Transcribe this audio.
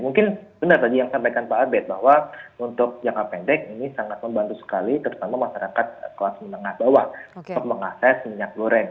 mungkin benar tadi yang sampaikan pak abed bahwa untuk jangka pendek ini sangat membantu sekali terutama masyarakat kelas menengah bawah untuk mengakses minyak goreng